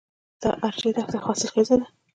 د ارچي دښته حاصلخیزه ده